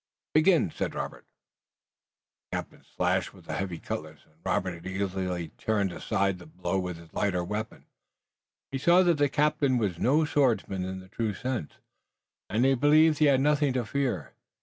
"Begin!" said Robert. The captain slashed with the heavy cutlass, and Robert easily turned aside the blow with his lighter weapon. He saw then that the captain was no swordsman in the true sense, and he believed he had nothing to fear.